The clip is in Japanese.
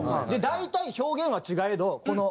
大体表現は違えどこの。